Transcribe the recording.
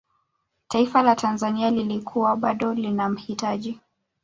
taifa la tanzania lilikuwa bado linamhitaji